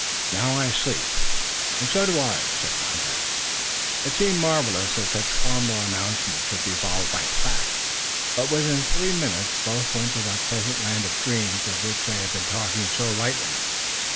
Now I sleep." "And so do I," said the hunter. It seemed marvelous that such formal announcements should be followed by fact, but within three minutes both went to that pleasant land of dreams of which they had been talking so lightly.